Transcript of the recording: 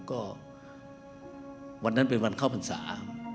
ก็วันนั้นเป็นวันเข้าพรรษา